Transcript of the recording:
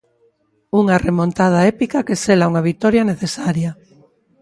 Unha remontada épica que sela unha vitoria necesaria.